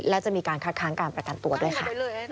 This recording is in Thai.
และจะมีการคัดค้างการประกันตัวด้วยค่ะ